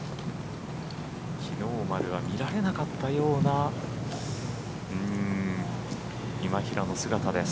きのうまでは見られなかったような今平の姿です。